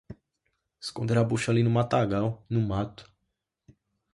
Esconderam a bucha ali no matagal, no mato